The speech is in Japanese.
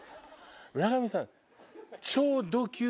村上さん。